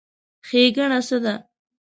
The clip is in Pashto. ښېګڼه څه ده؟